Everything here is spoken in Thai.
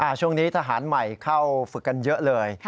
ช่วงนี้ทหารใหม่เข้าฝึกกันเยอะเลย